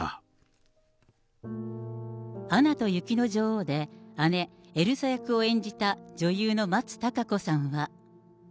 アナと雪の女王で姉、エルサ役を演じた女優の松たか子さんは。